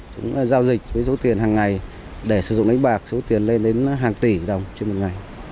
chúng ta giao dịch với số tiền hằng ngày để sử dụng đánh bạc số tiền lên đến hàng tỷ đồng trên một ngày